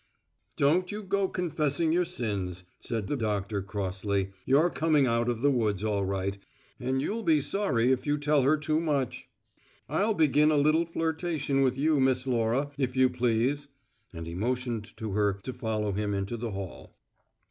"Don't you go to confessing your sins," said Doctor Sloane crossly. "You're coming out of the woods all right, and you'll be sorry if you tell her too, much. I'll begin a little flirtation with you, Miss Laura, if you please." And he motioned to her to follow him into the hall.